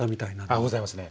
あございますね。